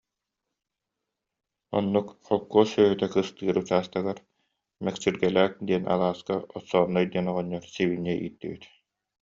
Оннук, холкуос сүөһүтэ кыстыыр учаастагар, Мэкчиргэлээх диэн алааска Оссооной диэн оҕонньор сибиинньэ ииттибит